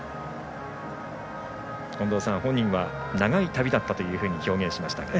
近藤さん、本人は長い旅だったというふうに表現しました。